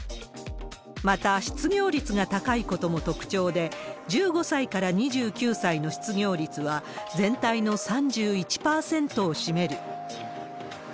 また、失業率が高いことも特徴で、１５歳から２９歳の失業率は、全体の３１％を占める。